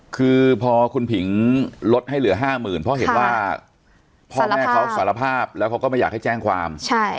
คือพอคุณผิงลดให้เหลือ๕๐๐๐เพราะเห็นว่าพ่อแม่เขาสารภาพแล้วเขาก็ไม่อยากให้แจ้งความ